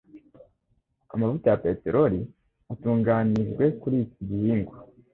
Amavuta ya peteroli atunganijwe kuri iki gihingwa.